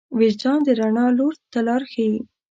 وجدان د رڼا لور ته لار ښيي.